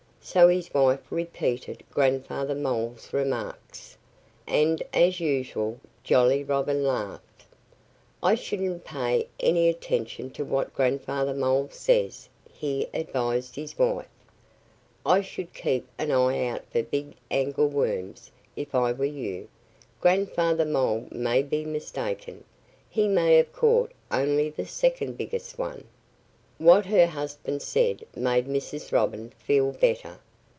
So his wife repeated Grandfather Mole's remarks. And as usual Jolly Robin laughed. "I shouldn't pay any attention to what Grandfather Mole says," he advised his wife. "I should keep an eye out for big angleworms, if I were you. Grandfather Mole may be mistaken. He may have caught only the second biggest one." What her husband said made Mrs. Robin feel better.